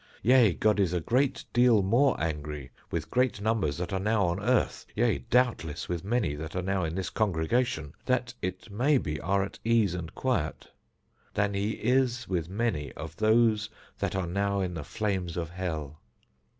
Yea, God is a great deal more angry with great numbers that are now on earth; yea, doubtless, with many that are now in this congregation, that, it may be, are at ease and quiet, than He is with many of those that are now in the flames of hell.